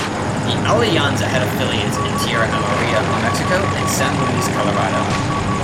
The Alianza had affiliates in Tierra Amarilla, New Mexico and San Luis, Colorado.